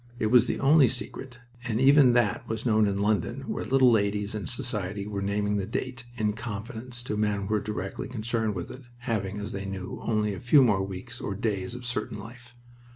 It was the only secret, and even that was known in London, where little ladies in society were naming the date, "in confidence," to men who were directly concerned with it having, as they knew, only a few more weeks, or days, of certain life.